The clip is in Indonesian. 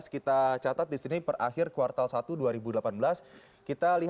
kita catat di sini per akhir kuartal satu dua ribu delapan belas